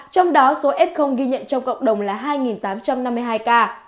trong đó số f ghi nhận trong cộng đồng là hai tám trăm năm mươi hai ca